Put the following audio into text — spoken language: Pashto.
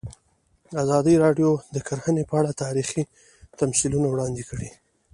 ازادي راډیو د کرهنه په اړه تاریخي تمثیلونه وړاندې کړي.